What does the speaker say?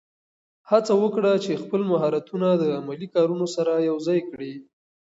هڅه وکړه چې خپل مهارتونه د عملي کارونو سره یوځای کړې.